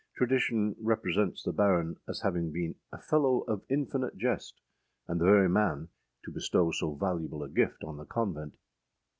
Tradition represents the Baron as having been âa fellow of infinite jest,â and the very man to bestow so valuable a gift on the convent!